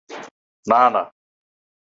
না, না!